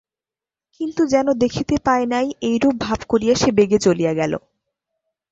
কিন্তু যেন দেখিতে পায় নাই এইরূপ ভাব করিয়া সে বেগে চলিয়া গেল।